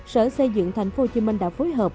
sở xây dựng tp hcm đã phối hợp